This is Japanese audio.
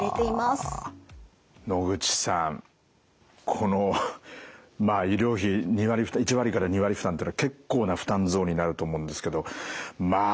野口さんこのまあ医療費１割から２割負担ってのは結構な負担増になると思うんですけどまあ